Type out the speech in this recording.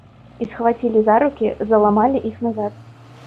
І схвацілі за рукі, заламалі іх назад.